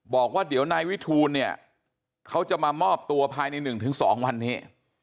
บอกว่าเดี๋ยวนายวิทูลเนี่ยเขาจะมามอบตัวภายใน๑๒วันนี้